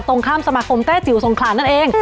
ตรงข้ามสมาคมแต้จิ๋วสงขลานั่นเอง